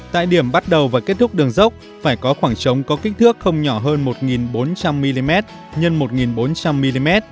tại điểm bắt đầu và kết thúc đường dốc phải có khoảng trống có kích thước không nhỏ hơn một bốn trăm linh mm x một bốn trăm linh mm